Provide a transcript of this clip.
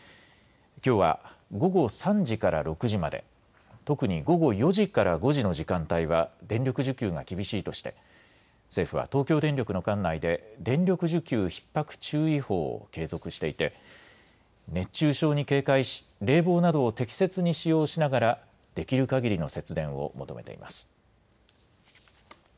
きょうは午後３時から６時まで、特に午後４時から５時の時間帯は電力需給が厳しいとして政府は東京電力の管内で電力需給ひっ迫注意報を継続していて熱中症に警戒し、冷房などを適切に使用しながらできるかぎりの節電を求めています。